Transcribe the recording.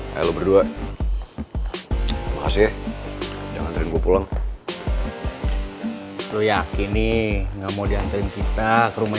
halo berdua makasih jangan teriak pulang lu yakin nih nggak mau diantri kita ke rumah